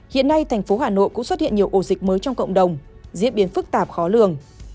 hiện nay thành phố hà nội cũng xuất hiện nhiều ổ dịch mới trong cộng đồng diễn biến phức tạp khó lường